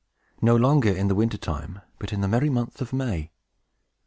No longer in the winter time, but in the merry month of May.